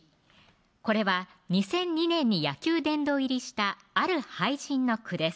これは２００２年に野球殿堂入りしたある俳人の句です